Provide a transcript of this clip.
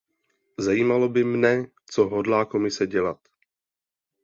Zajímalo by mne, co hodlá Komise dělat.